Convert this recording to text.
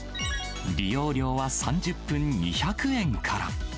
利用料は３０分２００円から。